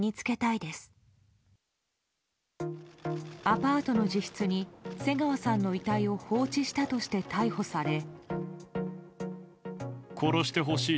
アパートの自室に瀬川さんの遺体を放置したとして逮捕され。